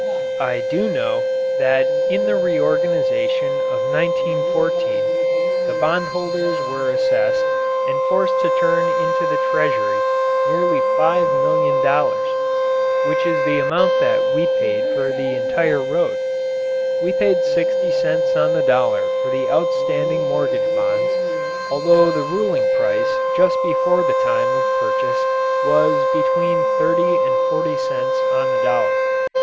I do know that in the reorganization of 1914 the bondholders were assessed and forced to turn into the treasury nearly five million dollars which is the amount that we paid for the entire road. We paid sixty cents on the dollar for the outstanding mortgage bonds, although the ruling price just before the time of purchase was between thirty and forty cents on the dollar.